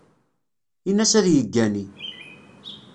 Ini-as ad yeggani.